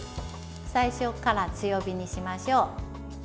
最初から強火にしましょう。